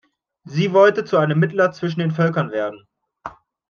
Sie wollte zu einem Mittler zwischen den Völkern werden.